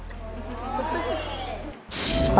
คุณผู้ชมจากเรื่องวัดไส่ใหญ่ครับ